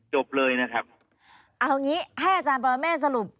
จบเลยนะครับเอางี้ให้อาจารย์ปรเมฆสรุป